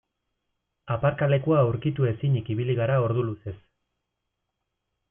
Aparkalekua aurkitu ezinik ibili gara ordu luzez.